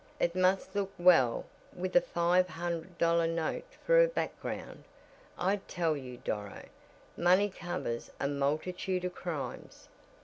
"It must look well with a five hundred dollar note for a background. I tell you, Doro, money covers a multitude of crimes.